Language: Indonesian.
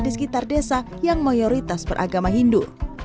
di sekitar desa yang mayoritas beragama hindu